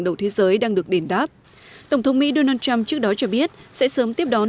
đầu thế giới đang được đền đáp tổng thống mỹ donald trump trước đó cho biết sẽ sớm tiếp đón